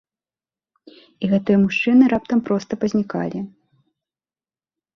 І гэтыя мужчыны раптам проста пазнікалі!